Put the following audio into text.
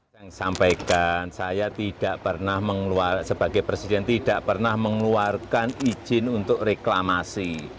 saya sampaikan saya tidak pernah mengeluarkan sebagai presiden tidak pernah mengeluarkan izin untuk reklamasi